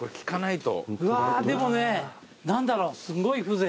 うわーでもね何だろうすごい風情。